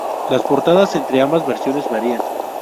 Las portadas entre ambas versiones varían.